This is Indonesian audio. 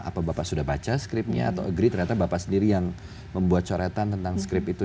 apa bapak sudah baca scriptnya atau agree ternyata bapak sendiri yang membuat coretan tentang skript itu